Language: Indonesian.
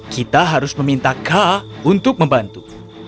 kita harus meminta k untuk membantu